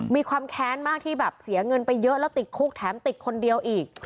มีความแค้นมากที่แบบเสียเงินไปเยอะแล้วติดคุกแถมติดคนเดียวอีก